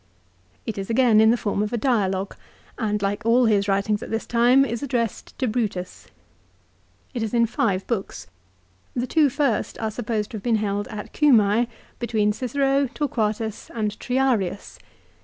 It is again in the form of a dialogue, and like all his writings at this time is addressed to Brutus. It is in five books. The two first are supposed to have been held at Cumae between Cicero, Torquatus, and Triarius.